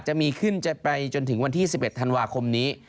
จะมีขึ้นจะไปจนถึงวันที่๑๑ธันวาคมนี้